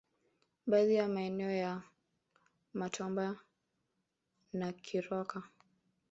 Baadhi ya maeneo ya Matombo na Kiroka